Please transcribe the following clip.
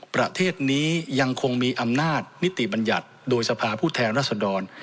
ประเทศนี้ยังคงมีอำนาจนิติบัญญัติโดยสภาผู้แทนรัศดร